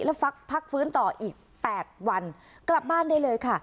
แล้วพักฟื้นต่ออีก๘วันกลับบ้านได้เลยค่ะ